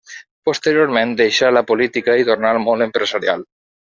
Posteriorment deixà la política i tornà al món empresarial.